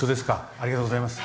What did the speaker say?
ありがとうございます。